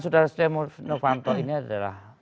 saudara setia novanto ini adalah